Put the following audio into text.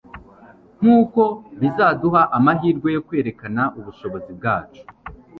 Nkuko bizaduha amahirwe yo kwerekana ubushobozi bwacu